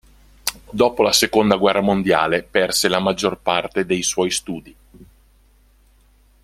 Dopo la seconda guerra mondiale perse la maggior parte dei suoi studi.